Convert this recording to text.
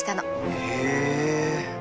へえ。